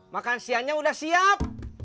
makan siangnya udah siap